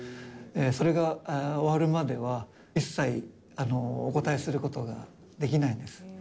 それが終わるまでは、一切お答えすることができないんです。